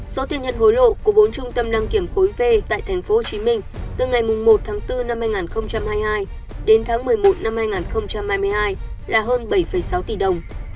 số tiền nhận hối lộ của bốn trung tâm đăng kiểm khối v tại tp hcm từ ngày một tháng bốn năm hai nghìn hai mươi hai đến tháng một mươi một năm hai nghìn hai mươi hai là hơn bảy sáu tỷ đồng